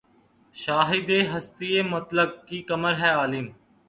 شاہدِ ہستیِ مطلق کی کمر ہے‘ عالم